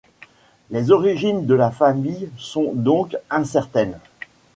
Les origines de la famille sont donc incertaines.